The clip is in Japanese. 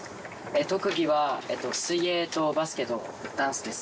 特技は水泳とバスケとダンスです